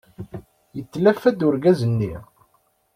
Yetlafa-d urgaz-nni.